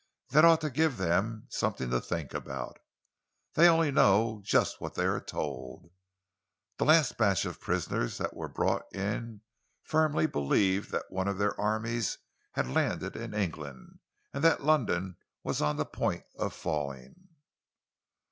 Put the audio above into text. "That ought to give them something to think about. They only know just what they are told. The last batch of prisoners that were brought in firmly believed that one of their armies had landed in England and that London was on the point of falling."